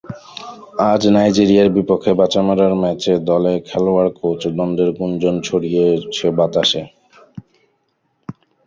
আজ নাইজেরিয়ার বিপক্ষে বাঁচামরার ম্যাচে দলে খেলোয়াড় কোচ দ্বন্দ্বের গুঞ্জনও ছড়িয়েছে বাতাসে।